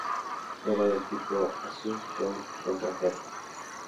Era del tipo Azud, con contrafuertes.